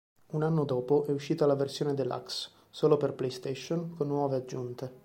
Un anno dopo è uscita la versione deluxe, solo per Playstation, con nuove aggiunte.